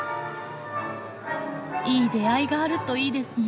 いい出会いがあるといいですね。